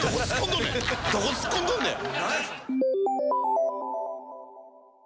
どこツッコんどんねん。